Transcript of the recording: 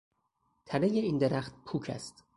تنهی این درخت پوک است.